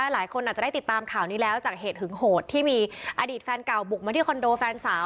หลายคนอาจจะได้ติดตามข่าวนี้แล้วจากเหตุหึงโหดที่มีอดีตแฟนเก่าบุกมาที่คอนโดแฟนสาว